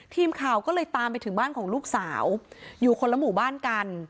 ทีมข่าวก็เลยตามไปถึงบ้านของลูกสาวอยู่คนละหมู่บ้านกัน